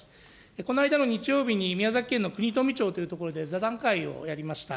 この間の日曜日に宮崎県のくにとみ町という所で座談会をやりました。